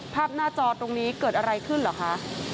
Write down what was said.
หน้าจอตรงนี้เกิดอะไรขึ้นเหรอคะ